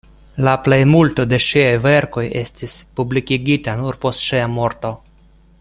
La plejmulto de ŝiaj verkoj estis publikigita nur post ŝia morto.